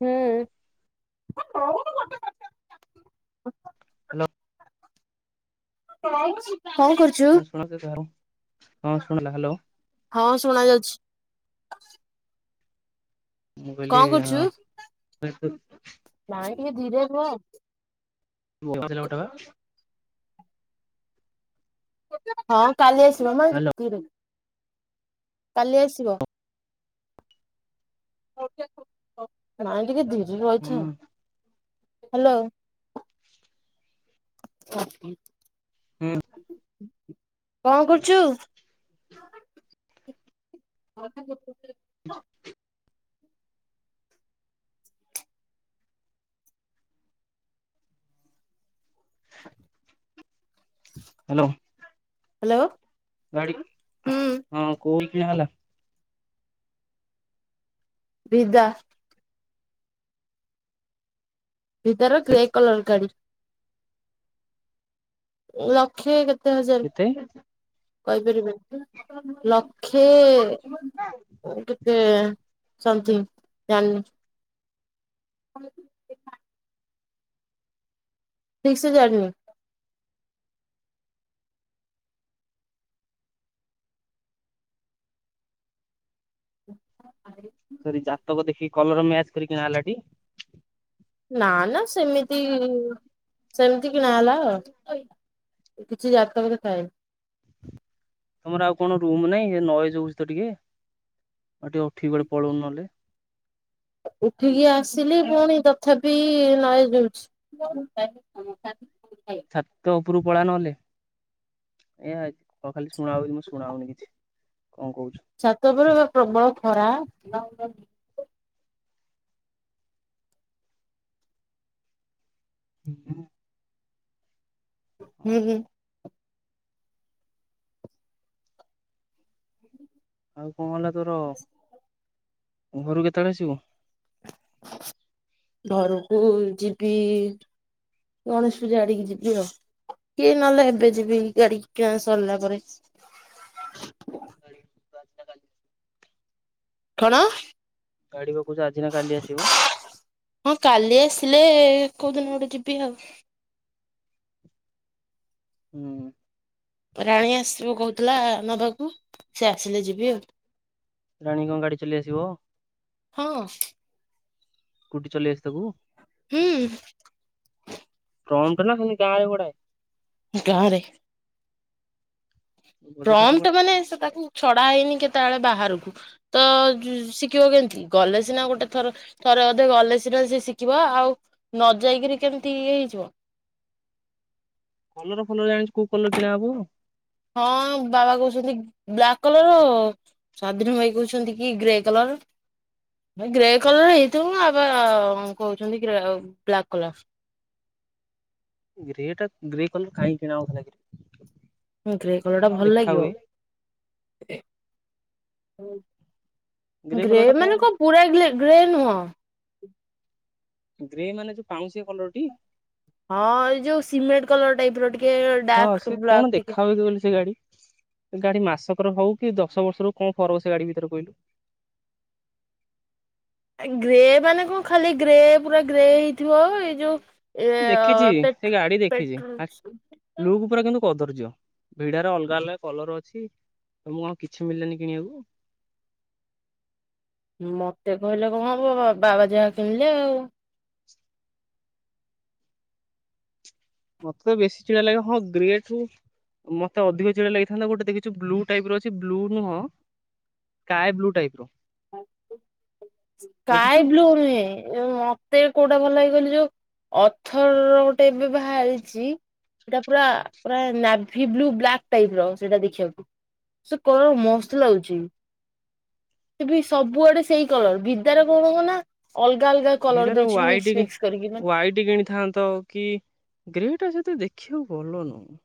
ହୁଁ। ହାଲୋ। କଣ କରୁ ହଁ ଶୁଣଯାଉଚି ହଁ ଶୁଣିଲା ହାଲୋ। ହଁ ଶୁଣା ଯାଉଚି। ମୁଁ କହିଲି କଣ [unintelligible] ମାଇଁ ଟିକେ ଧୀରେ କୁହ। [unintelligible] ଅଟୋ ପା। ହଁ କାଲି ଆସିବ ନା ଧିରେ କାଲି ଆସିବ। ମାଇଁ ଟିକେ ଧୀରି ରହିଥାଅ ହାଲୋ। [inaudible] ହୁଁ। କଣ କରୁଚୁ? [inaudible] ମୋତେ [unintelligible] [inaudible] ହାଲୋ। ହାଲୋ। ଗାଡି ହଁ କୋଉଠୀ କିଣା ହେଲା? ବିଦା। ବିଦାର କି ଗ୍ରେ କଲର ଗାଡି। ଲକ୍ଷେ କେତେ ହଜାର କେତେ କହିପାରିବିନି। ଲ କ୍ଷେ କେତେ ସମଥିଙ୍ଗ ଜାଣିନି। [inaudible] ଠିକ୍ ସେ ଜାଣିନି। [inaudible] ସରି ଜାତକ ଦେଖିକି କଲର ମ୍ୟାଚ କରିକି କିଣାହେଲା ଟି? ନା ନା ସେମିତିଇ ସେମିତି କିଣା ହେଲା ଆଉ। କିଛି ଜାତକଦେଖା ହେଇନି। ତମର ଆଉ କଣ ରୁମ୍ ନାଇ ନଏଜ ହଉଚି ତ ଟିକେ ଆ ଟିକେ ଉଠିଯି କୁଆଡେ ପଳଉନ ନହେଲେ। ଉଠିକି ଆସିଲି ପୁଣି ତଥାପି ନଏଜେ ହଉଛି। ଛାତ ଉପରୁ ପଳା ନହେଲେ। ଏଆଇ ହଁ ଖାଲି ଶୁଣା ହଉଚି କିନ୍ତୁ ଶୁଣା ହଉନି କିଛି କଣ କହୁଛୁ। ଛାତ ଉପରେ ଏବେ ପ୍ରବଳ ଖରା। ହୁଁ-ହୁଁ। [unintelligible] ହେଲେ ଆଉ କଣ ହେଲା ତୋର, ଘରୁ କୁ କେତେବେଳେ ଆସିବୁ? ଘରକୁ ଯିବି ଗଣେଶ ପୂଜା ଆଡିକି ଯିବି ଆଉ। କି ନହେଲେ ଏବେ ଯିବି ଗାଡି କିଣା ସରିଲା ପରେ। [unintelligible] ଠଣ। ଗାଡି ବା କହୁଚୁ ଆଜି ନା କାଲି ଆସିବ? ହଁ କାଲି ଆସିଲେ କୋଉ ଦିନ ଗୋଟେ ଯିବି ଆଉ। ହୁଁ। ରାଣୀ ଆସିବ କହୁଥିଲା ନବାକୁ ସେ ଆସିଲେ ଯିବି ଆଉ। ରାଣୀ କଣ ଗାଡି ଚଲେଇ ଆସିବ? ହଁ। କୁଟି ଚଲେଇ ଆସେ ତାକୁ? ହୁଁ। ପ୍ରଅମଣ୍ଟ ନା ଖାଲି ଗାଁ ରେ ଗଡାଏ। ଗାଁ ରେ। ବଜାର ହାଟ ପ୍ରମଟ କୁଆଡେ ମାନେ ସେ ତାକୁ ଛଡା ହେଇନି କେତାଆଳେ ବାହାରକୁ। ତ ଯୁ ଶିକିବ କେମତି ଗଲେ ସିନା ଗୋଟେ ଥର। ଥରେ ଅଧେ ଗଲେ ସିନା ସିଏ ଶିକିବ ଆଉ ନ ଯାଇକିରି କେମିତି ଇଏ ହେଇଯିବ। କଲର ଫଲର ଜାଣିଚୁ କୋଉ କଲର କିଣା ହବ? ହଁ ବାବା କହୁଛନ୍ତି ବ୍ଲାକ୍ କଲରଅ। ସ୍ୱାଧୀନ ଭାଇ କହୁଛନ୍ତି କି ଗ୍ରେ କଲର। ହେ ଗ୍ରେ କଲର ହେଇଥିବ ଅ ବାବାଆ ଉଁ କହୁଛନ୍ତି ଗ୍ରେ ଉ ବ୍ଲାକ୍ କଲର। ଗ୍ରେ ଟା ଗ୍ରେ କଲର କାହିଁକି କିଣା ହବ ବାଇକ ର? ହୁଁ ଗ୍ରେ କଲର ଟା ଭଲ ଲାଗିବ ହୁଁ। ଗ୍ରେ ମାନେ କଣ ପୁରା ଗ୍ଲେ ଗ୍ରେ ନୁହ। ଗ୍ରେ ମାନେ ଯୋଉ ପାଉଁଶିଆ କଲର ଟି? ହଁ ଏଇ ଯୋଉ ସିମେଟ କଲର ଟାଇପ ର ଟିକେ। ହଁ ଡାର୍କ ସେ ବ୍ଲାକ୍ କଣ ଟିକେ ଦେଖା ହଉଛୁ କନି ସେ ଗାଡି। ସେ ଗାଡି ମାସକର ହଉ କି ଦଶ ବର୍ଷରୁ କଣ ଫରକ ସେ ଗାଡି ଭିତରେ କହିଲୁ। ଆଁଇ ଗ୍ରେ ମାନେ କଣ ଖାଲି ଗ୍ରେ ପୁରା ଗ୍ରେ ହେଇଥିବ ଏଇ ଯୋଉ ଏ ଦେଖିଚି ସେ ପେଟ୍ରୋ ଗାଡି ଦେଖିଚି ପେଟ୍ରୋଲ ଆଖ ଲୁକ୍ ପୁରା କିନ୍ତୁ କଦର୍ଯ୍ୟ ଭିଡ଼ା ର ଅଲଗା ଅଲଗା କଲର ଅଛି। ତମକୁ ଆଉ କିଛି ମିଳିଲାନି କିଣିବାକୁ। ମତେ କହିଲେ କଣ ହବ ବାବା ଅଜା ଯାହା କିଣିଲେ ଆଉ ମତେ ତ ବେଶୀ ଚିଡା ଲାଗିଲା ହଁ ଗ୍ରେଟୁ ମତେ ଅଧିକ ଚିଡା ଲାଗିଥାନ୍ତା ଗୋଟେ ଦେଖଛୁ ବ୍ଲୁ ଟାଇପ ର ଅଛି ବ୍ଲୁ ନୁହଁ କା ଏ ବ୍ଲୁ ଟାଇପ ରୁ ଦେଖିଛୁ? ସ୍କାଇ ବ୍ଲୁ ନୁହେ ମତେ କୋଉଟା ଭଲ ଲାଗିଗଲି ଯୋଉ ଅଥର ଗୋଟେ ଏବେ ବାହାରିଛି ସେଇଟା ପୁରା ପୁରା ନାଭି ବ୍ଲୁ ବ୍ଲାକ୍ ଟାଇପ ର ସେଇଟା ଦେଖିବାକୁ ସେ କଣ ମସ୍ତ ଲାଗୁଛି ସେ ବି ସବୁଆଡେ ସେଇ କଣ ବିଦ୍ୟାରେ [unintelligible] ନା ଅଲଗା କାଉଥିରେ ଗୋ ଭିଡ଼ର ୱାଇଡିକି ୱାଇଡି କିଣିଥାନ୍ତ କି ଗ୍ରେ ବି ଟା ସେତେ ଦେଖିବାକୁ ଭଲ ନୁହେଁ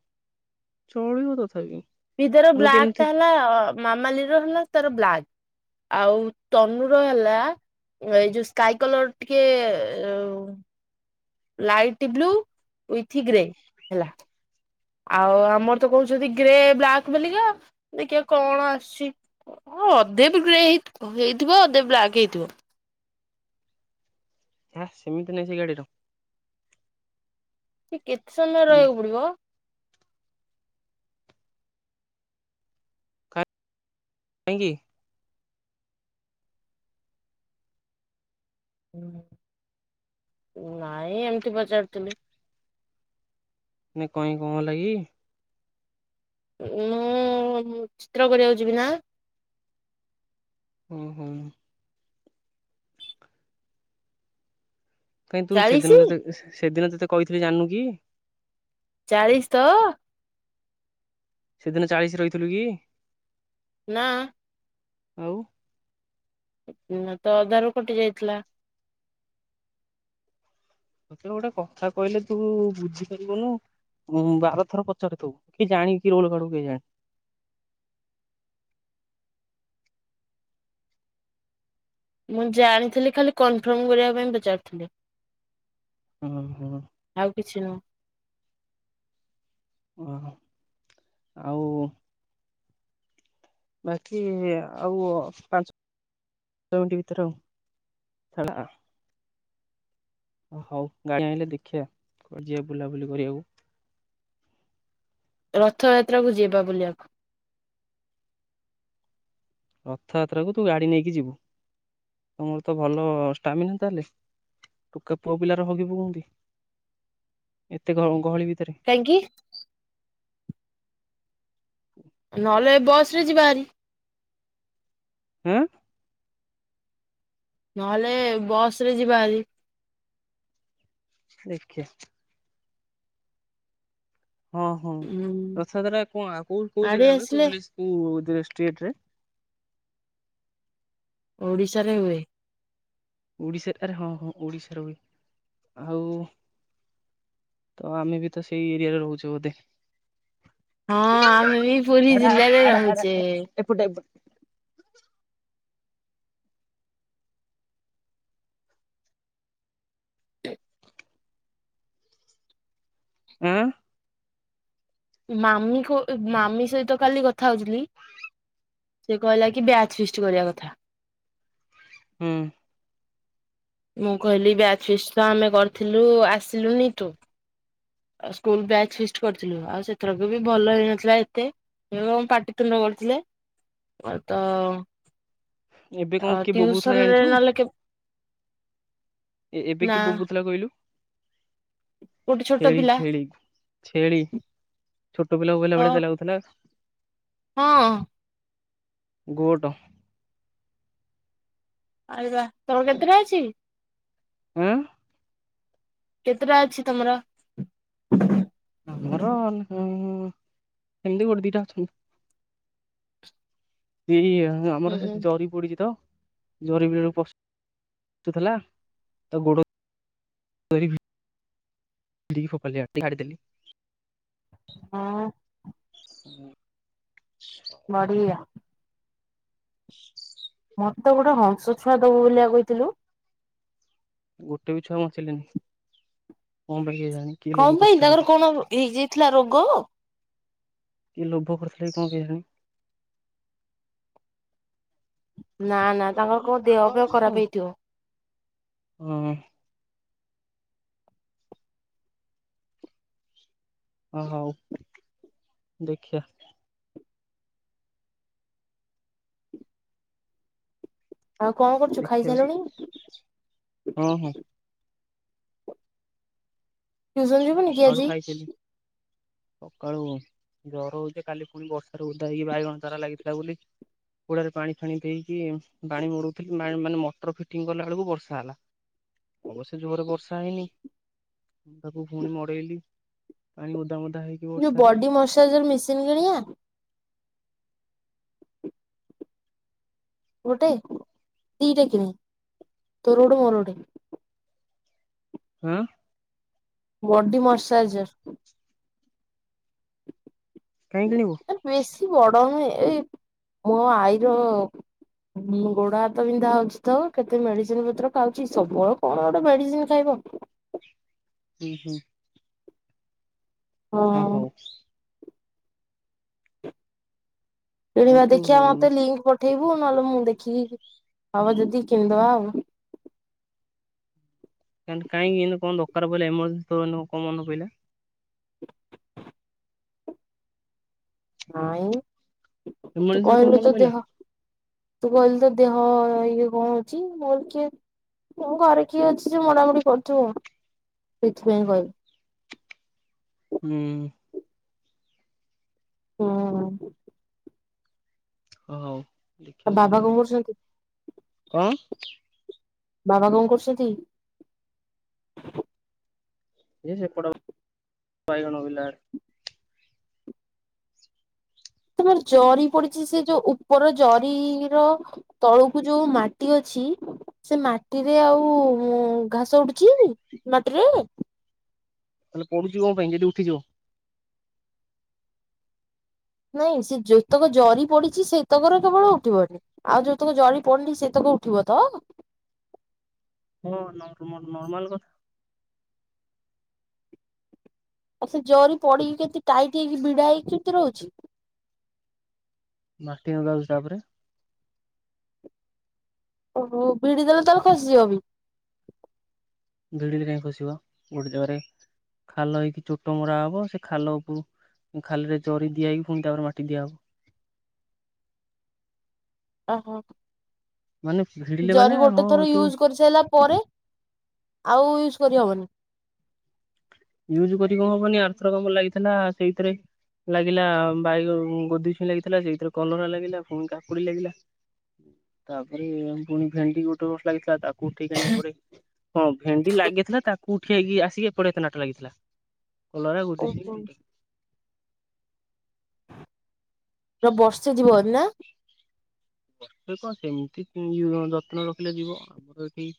ଚଳିବ ତଥାପି। ଭିତର ମୁଁ ବ୍ଲାକ୍ ଯେମିତି ଟା ହେଲା ଅ ମାମାଲି ର ହେଲା ତାର ବ୍ଲାକ୍‌। ଆଉ ତନୁର ହେଲା ଉଁ ଏଇ ଯୋଉ ସ୍କାଇ କଲର ଟିକେ ଏ ଅଉ। ଲାଇଟ୍ ବ୍ଲୁ ୱିଥ୍ ଗ୍ରେ ହେଲା। ଆଉ ଆମର ତ କହୁଛନ୍ତି ଗ୍ରେ ବ୍ଲାକ୍ ବେଲିକା ଦେଖିବା କଣ ଆସିୁଛି। ହଁ ଅଧେ ବି ଗ୍ରେ ହେଇଥିବ ହେଇଥିବ ଅଧେ ବ୍ଲାକ୍ ହେଇଥିବ। ଆଁ ସେମିତି ନାହିଁ ସେ ଗାଡ଼ିର। ଇଏ କେତେ ସମୟ ହୁଁ ରହିବାକୁ ପଡ଼ିବ? କାହିଁକି? ହୁଁ ନାଇଁ ଏମିତି ପଚାରୁିଥିଲି। ମୁଁ କହିଲି କଣ ହେଲା କି? ମୁଁ ମୁଁ ଚିତ୍ର କରିବାକୁ ଯିବି ନା। ହୁଁ ହୁଁ। କାଇଁ ତୁ ଚାଳିଶି ସେଦିନ ତତେ [unintelligible] ସେଦିନ ତତେ କହିଥିଲି ଜାଣିନୁ କି? ଚାଳିଶ ତ? ସେଦିନ ଚାଳିଶି ରହିଥିଲୁ କି? ନା। ଆଉ? ସେଦିନ ତ ଅଧାରୁ କଟି ଯାଇଥିଲା। ତତେ ଗୋଟେ କଥା କହିଲେ ତୁ ବୁଝିପାରିବୁନୁ। ଉଁ ବାରଥର ପଚାରୁଥିବୁ କି ଜାଣିକି କିି ରୋଲ କରୁ କେଜାଣେ। ମୁଁ ଜାଣିଥିଲି ଖାଲି କନଫର୍ମ କରିବା ପାଇଁ ପଚାରୁଥିଲି‌। ଓ ହୋ। ଆଉ କିଛି ନୁହଁ। ଓହୋ ଆଉ ବାକି ଆଉ ଅ ପାଞ୍ଚ ଞ୍ଚ ମିଣ୍ଟି ଭିତରେ ଆଉ ସଇଲା। ହ ହଉ ଗାଡ଼ି ଆଣିଲେ ଦେଖିବା କୁଆଡ଼େ ଯିବା ବୁଲାବୁଲି କରିବାକୁ। ରଥଯାତ୍ରା କୁ ଯିବା ବୁଲିବାକୁ। ରଥଯାତ୍ରା କୁ ତୁ ଗାଡ଼ି ନେଇକି ଯିବୁ ତମର ତ ଭଲ ଷ୍ଟାମିନା ତାହେଲେ। ଟୋକେ ପୁଅ ପିଲାର ହଗିବୁ କୁହନ୍ତି ଏତେ ଗହ-ଗହଳି ଭିତେରେ। କାହିଁକି? ନହେଲେ ଏ ବସ୍ ରେ ଯିବା ହାରି। ଉଁ? ନହେଲେ ବସ୍ ରେ ଯିବା ହାରି। ଦେଖିଆ। ହଁ ହଁ ଉଁ ରଥଯାତ୍ରା କଣ ଆଉ କୋଉ କୋଉ ଆଡେ ଜିଲ୍ଲାରେ ହୁଏ ଆସିଲେ କୋଉ [unintelligible] କୋଉ ଡିଷ୍ଟ୍ରିକ୍ଟ ରେ? ଓଡ଼ିଶାରେ ହୁଏ। ଓଡ଼ିଶାରେ ଆରେ ହଁ ହଁ ଓଡ଼ିଶାରେ ଆଉ ତ ଆମେ ବି ତ ସେଇ ଏରିଆରେ ରହୁଛୁ ବୋଧେ। ହଁ ଆଡ଼ା ଆମେ ବି ପୁରୀ [unintelligible] ଆଡ଼ା ଜିଲ୍ଲାରେ ଆଡ଼ା ଆଡ଼ା ରହୁଛେ। ଏପଟେ ଏପଟେ। ଆଁ? ମାମିକୁ ଉ ମାମି ସହିତ କାଲି କଥା ହଉଥିଲି। ସେ କହିଲା କି ବ୍ୟାଚ୍ ଫିଷ୍ଟ କରିବା କଥା। ହୁଁ। ମୁଁ କହିଲି ବ୍ୟାଚ୍ ଫିଷ୍ଟ୍ ତ ଆମେ କରିଥିଲୁ ଆସିଲୁନି ତୁ। ଆଉ ସ୍କୁଲ୍ ବ୍ୟାଚ୍ ଫିଷ୍ଟ୍ କରିଥିଲୁ ଆଉ ସେଥରକ ବି ଭଲ ହେଇନଥିଲା ଏତେ। [unintelligible] ପାଟିତୁଣ୍ଡ କରିଥିଲେ ତ ଏବେ କଣ ଆ କିଏ ବୋବଉଥିଲା ଟିଉସନରେ ଜାଣିଛୁ? ନହେଲେ କେ- ଏ ଏବେ ନା କି ବୋବୁଥିଲା କହିଲୁ? ଗୋଟେ ଛୋଟ ଛେଳି ପିଲା ଛେଳି ଛେଳି ଛୋଟ ପିଲା ବବେଇଲ ହେଲା ହଁ ଭଳିଆ ଲାଗୁଥିଲା ହଁ ମୋଟ ଆରେ ବା ତମର କେତେଟା ହୋଇଛି? ହୁଁ କେତେଟା ଅଛି ତମର? ଧର ସେମିତି ଗୋଟେ ଦିଟା ଅଛନ୍ତି ସେଇ ଆମର ହୁଁ ସେ ଜରି ପଡିଛି ତ ଜରି [unintelligible] ଗୋଡ ଦରି [unintelligible] ଛାଡ଼ିଦେ ହଁ ବଢିଆ ମୋତେ ଗୋଟେ ହଂସ ଛୁଆ ଦବୁ ବୋଲିବା କହିଥିଲୁ ଗୋଟେ ବି ଛୁଆ ବଞ୍ଚିଲେଣିି କଣ ପାଇଁ କେଜାଣି? କିଏ ଲୋଭ କଣ ପାଇଁ କରିଥିଲା ତାଙ୍କର ବୋଧେ କଣ ହେଇଯାଇଥିଲା ରୋଗ? କିଏ ଲୋଭ କରିଥିଲେ କି କଣ କେଜାଣି ନା ନା ତାଙ୍କର କଣ ଦେହ ଫିହ ଖରାପ ହେଇଥିବ ହୁଁ ଓ ହୋଉ ଦେଖିବା ଆଉ କଣ କରୁଛୁ ଖାଇସାରିଲୁଣି ଦେଖିବାକୁ ହଁ ହଁ ଟିଉସନ ଯିବୁନି କି ଘରୁ ଆଜି? ଖାଇଥିଲି ସକାଳୁ ଜର ହଉଛି କାଲି ପୁଣି ବର୍ଷାରେ ଓଧା ହେଇକି ବାଇଗଣ ଚାରା ଲାଗିଥିଲା ବୋଲି କୁଡାରେ ପାଣି ଫାଣି ଦେଇକି ପାଣି ମୋଡଉଥିଲି ମାନେ ମଟର ଫିଟିଂ କଲା ବେଳକୁ ବର୍ଷା ହେଲା ଅବଶ୍ୟ ଜୋରରେ ବର୍ଷା ହେଇନି ମୁଁ ତାକୁ ପୁଣି ମଡେଇଲି ପାଣି ଓଦା ମଦା ହେଇକି ଯୋଉ ବର୍ଷାରେ ବଡି ମସାଇଜର ମେସିନ କିଣିବା ଗୋଟେ ଦିଟା କିଣି ତୋର ଗୋଟେ ମୋର ଗୋଟେ ହୁଁ ବଡି ମୋସାଜ କାହିଁ କିଣିବୁ ବେଶୀ ବଡ ନୁହେଁ ଏଇ ମୋ ଆଈର ଗୋଡ ହାତ ବିନ୍ଧା ହଉଛି ତ କେତେ ମେଡିସିନ ପତ୍ର ଖାଉଛି ସବୁବେଳେ କଣ ଗୋଟେ ମେଡିସିନ ଖାଇବ ହୁଁ ହୁଁ ହଁ ହଉ ହେଇଟି ହଉ ବା ତୁ ଦେଖିବା ମୋତେ ଲିଙ୍କ ପଠେଇବୁ ନହେଲେ ମୁଁ ଦେଖିକି ହବ ଯଦି କିଣିଦବା ଆଉ ଏମିତି କାଇଁ ଇନ୍ତୀ କଣ ଦରକାର ପଇଲା ଏମରଯେନ୍ କଣ ମନେ ପଇଲା ନାଇଁ ଏମର୍ଜେନ୍ସିରେ କଣ କହିଲୁ ମନେ ତ ପଇଲା ଦେହ- ତୁ କହିଲି ତ ଦେହ ଇଏ କଣ ଅଛି ମୋର କିଏ? ମୁଁ ଘରେ କିଏ ଅଛି ଯେ ମୋଡାମୋଡି କରୁଥିବ ସେଇଥିପାଇଁ କହିଲି ହୁଁ ହଁ ହଁ ହଉ ଦେଖିବା ସେଇ ବାବା ଭଳିଆ କଣ କରୁଛନ୍ତି? କଣ ବାବା କଣ କରୁଛନ୍ତି? ଏ ସେପଟ ବାଇଗଣ ବିଲା ଆ - ତମର ଜରି ପଡିଛି ସେ ଯୋଉ ଉପର ଜରିର- ତଳକୁ ଯୋଉ ମାଟି ଅଛି। ସେ ମାଟିରେ ଆଉ ଘାସ ଉଡୁଛି ମାଟିରେ। ତାହେଲେ ପଡୁଛି କଣ ପାଇଁ ଯଦି ଉଠିଯିବ। ନାଇଁ ସେ ଯେତକ ଜରି ପଡିଛି ସେତକର କେବଳ ଉଠିବନି। ଆଉ ଯୋଉତକ ଜରି ପଡିନି ସେତକ ଉଠିବ ତ। ହଁ ନ ନର୍ମାଲ କଥା। ଆଉ ସେ ଜରି ପଡିକି କେତେ ଟାଇଟ୍ ହେଇକି ଭିଡା ହେଇକି କେମିତି ରହୁଛି। ମାଟି ନଗାଉଛି ତାପରେ। ଓହୋ ଭିଡ଼ି ଦେଲେ ତାହେଲେ ଖସିଯିବ ବି। ଭିଡିରେ କାହିଁ ଖସିବ ଗୋଟେ ଜାଗାରେ ଖାଲ ହେଇକି ଚୋଟ ମଡା ହବ ସେ ଖାଲ ଉପରୁ ଖାଲିରେ ଚରି ଦିଆ ହେକି ପୁଣି ତାପରେ ମାଟିିଆହବ। ଓହୋ ମାନେ ଭିଡିଲେ ମାନେ ଜରି ଗୋଟେ ହଁ ଥର ତୁ ୟୁଜ୍ କରିୁଛି। ସାରିଲଲା ପରେ ଆଉ ୟୁଜ୍ କରିହବନି। ୟୁଜ କରି କଣହବନି ଆର୍ଥର କମ ଲାଗିଥିଲା ସେଇଥିରେ। ଲାଗିଲା ବାଇଗ ଗୋଦି ଛୁଇଁ ଲାଗିଥିଲା ସେଇଥିରେ କଲରା ଲାଗିଲା ପୁଣି କାକୁଡି ଲାଗିଲା। ତାପରେ ପୁଣି ଭେଣ୍ଡି ଗୋଟେ ଗୋଟେ ଲାଗିଥିଲା ତା ଉଠେଇକି ଆଣ ଏପଡେ ହଁ ଭେଣ୍ଡି ଲାଗିଥିଲା ତାକୁ ଉଠେଇକି ଆସିକି ଏପଟେ ଏତେ ନାଟ ଲାଗିଥିଲା। କଲରା ଗୋଧି ଛୁଇଁ ଓହୋ। ଭେଣ୍ଡି। ପୁରା ବର୍ଷେ ଯିବ ଭାରି ନା। ବେ କଣ ସେମିତି ଯତ୍ନ ରଖିଲେ ଯିବ ଆମର ଏଠି।